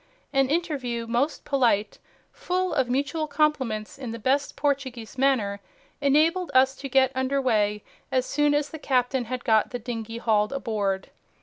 An interview most polite, full of mutual compliments in the best Portuguese manner, enabled us to get under way as soon as the captain had got the dinghy hauled aboard."